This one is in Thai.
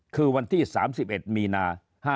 คือวันที่๓๑มีนา๕๗